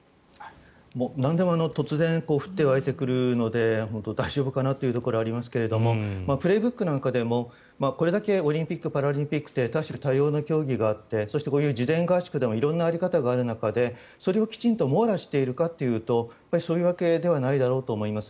なんでも突然降って湧いてくるので本当に大丈夫かなというところがありますが「プレーブック」なんかでもこれだけオリンピック・パラリンピックって多種多様な競技があってこういう事前合宿でも色んな在り方がある中でそれをきちんと網羅しているかというとそういうわけではないだろうと思います。